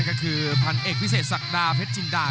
กรุงฝาพัดจินด้า